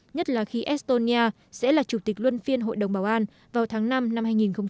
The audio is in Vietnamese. nhất là khi estonia sẽ là chủ tịch luân phiên hội đồng bảo an vào tháng năm năm hai nghìn hai mươi